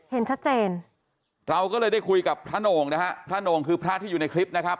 เห็นชัดเจนเราก็เลยได้คุยกับพระโหน่งนะฮะพระโหน่งคือพระที่อยู่ในคลิปนะครับ